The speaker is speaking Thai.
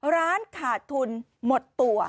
ร้านขาดทุนหมดตัว